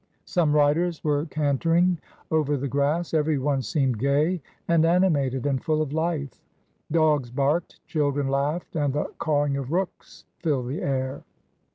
Some riders were cantering over the grass. Every one seemed gay and animated and full of life; dogs barked, children laughed, and the cawing of rooks filled the air.